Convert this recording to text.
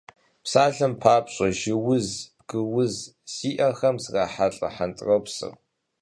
Псалъэм папщӏэ, жьы уз, бгы уз зиӏэхэм зрахьэлӏэ хьэнтӏропӏыр.